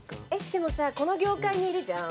でもさこの業界にいるじゃん。